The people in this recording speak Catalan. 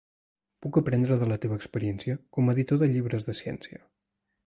Puc aprendre de la teva experiència com a editor de llibres de ciència.